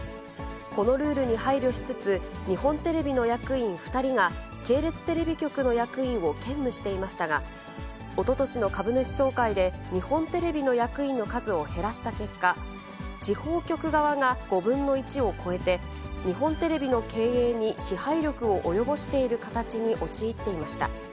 このルールに配慮しつつ、日本テレビの役員２人が、系列テレビ局の役員を兼務していましたが、おととしの株主総会で日本テレビの役員の数を減らした結果、地方局側が５分の１を超えて、日本テレビの経営に支配力を及ぼしている形に陥っていました。